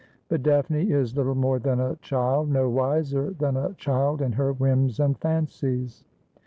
' But Daphne is little more than a child — no wiser than a child in her whims and fancies.